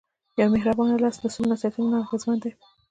یو مهربان لاس له سلو نصیحتونو نه اغېزمن دی.